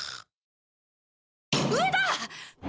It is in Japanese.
上だ！